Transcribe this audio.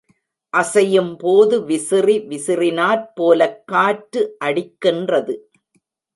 அசையும்போது விசிறி விசிறினாற்போலக் காற்று அடிக்கின்றது.